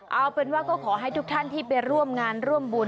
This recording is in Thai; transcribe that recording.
เอาเป็นว่าก็ขอให้ทุกท่านที่ไปร่วมงานร่วมบุญ